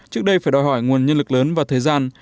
phải đòi hỏi nguồn nhân lực lớn và thời gian